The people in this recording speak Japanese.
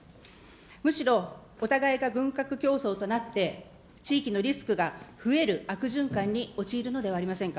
むしろ、お互いが軍拡競争となって、地域のリスクが増える悪循環に陥るのではありませんか。